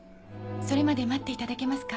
それまで待っていただけますか？